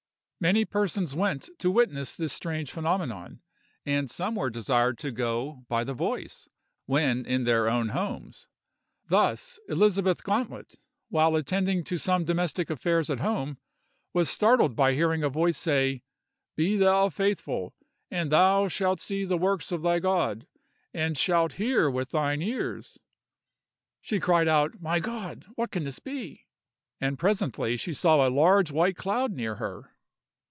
Many persons went to witness this strange phenomenon, and some were desired to go by the voice, when in their own homes. Thus Elizabeth Gauntlett, while attending to some domestic affairs at home, was startled by hearing a voice say, "Be thou faithful, and thou shalt see the works of thy God, and shalt hear with thine ears!" She cried out, "My God! what can this be!" and presently she saw a large white cloud near her.